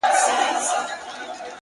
زما د لاس شينكى خال يې له وخته وو ساتلى’